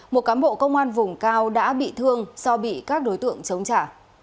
một cán bộ công an vùng cao đã bị thương do bị các đối tượng chống trả